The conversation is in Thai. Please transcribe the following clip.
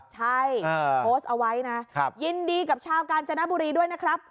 ใช่โพสต์เอาไว้นะยินดีกับชาวกาญจนบุรีด้วยนะครับ